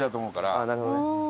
ああなるほどね。